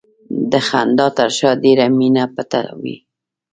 د خندا تر شا ډېره مینه پټه وي.